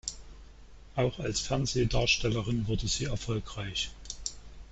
Auch als Fernsehdarstellerin wurde sie erfolgreich.